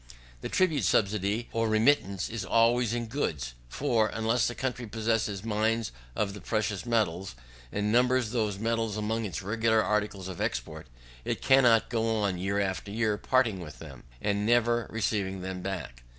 The tribute, subsidy, or remittance, is always in goods; for, unless the country possesses mines of the precious metals, and numbers those metals among its regular articles of export, it cannot go on, year after year, parting with them, and never receiving them back.